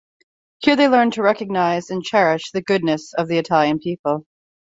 Here they learned to recognize and cherish the goodness of the Italian people.